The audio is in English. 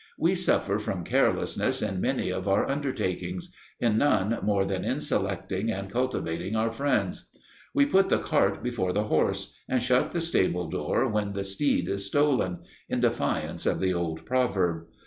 We suffer from carelessness in many of our undertakings: in none more than in selecting and cultivating our friends. We put the cart before the horse, and shut the stable door when the steed is stolen, in defiance of the old proverb.